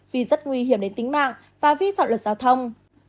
vì rất nguy hiểm đến tính mạng và vi phạm luật giao thông